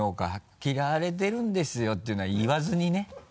嫌われてるんですよっていうのは言わずにね。